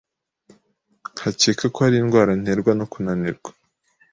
ngakeka ko ari indwara nterwa no kunanirwa.